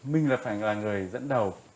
mình phải là người dẫn đầu